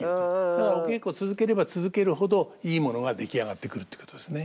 だからお稽古を続ければ続けるほどいいものが出来上がってくるってことですね。